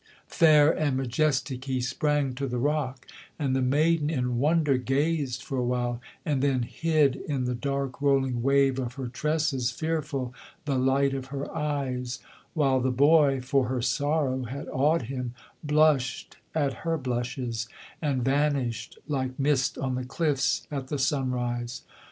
Fair and majestic he sprang to the rock; and the maiden in wonder Gazed for a while, and then hid in the dark rolling wave of her tresses, Fearful, the light of her eyes; while the boy (for her sorrow had awed him) Blushed at her blushes, and vanished, like mist on the cliffs at the sunrise.